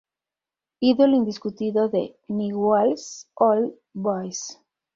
Ídolo indiscutido de Newell's Old Boys.